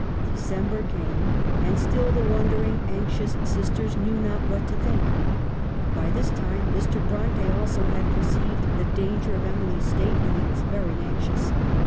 December came, and still the wondering, anx ious sisters knew not what to think. By this time Mr. Bronte also had perceived the danger of Emily's state, and he was very anxious.